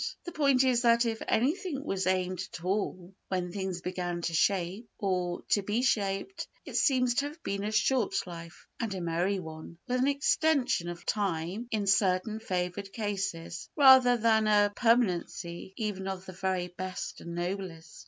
The point is that if anything was aimed at at all when things began to shape or to be shaped, it seems to have been a short life and a merry one, with an extension of time in certain favoured cases, rather than a permanency even of the very best and noblest.